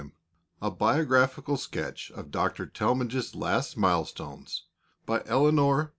] A BIOGRAPHICAL SKETCH OF DR. TALMAGE'S LAST MILESTONES BY MRS.